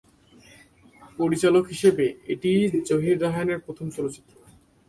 পরিচালক হিসেবে এটিই জহির রায়হানের প্রথম চলচ্চিত্র।